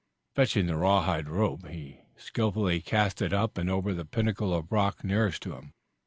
Fetching the rawhide rope he skilfully cast it up and over the pinnacle of rock nearest to him.